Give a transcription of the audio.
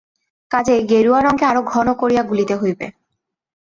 কাজেই গেরুয়া রঙকে আরো ঘন করিয়া গুলিতে হইবে।